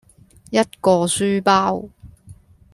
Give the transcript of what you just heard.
一個書包